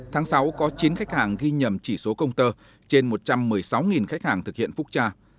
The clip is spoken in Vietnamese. tháng sáu có chín khách hàng ghi nhầm chỉ số công tờ trên một trăm một mươi sáu khách hàng thực hiện phục trà